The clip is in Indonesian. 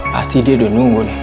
pasti dia udah nunggu nih